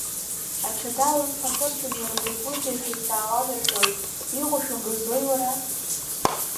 Аҽада алымҳа хырҵәон иара закәызеи ҳәа иҵаауан рҳәоит, иҟоу шәымбаӡои, уара?!